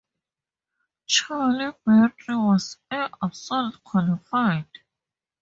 Charlie battery was air assault qualified.